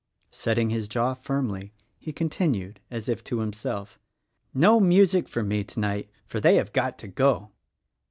Setting his jaw firmly he continued as if to himself, "No music for me, tonight; for they have got to go!"